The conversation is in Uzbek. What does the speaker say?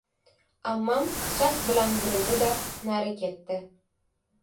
— Ammam shahd bilan burildi-da, nari ketdi.